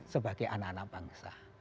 sebagai anak anak bangsa